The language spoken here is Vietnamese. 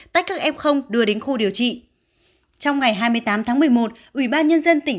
tách các f đưa đến khu điều trị trong ngày hai mươi tám tháng một mươi một ủy ban nhân dân tỉnh